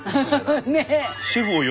ねえ。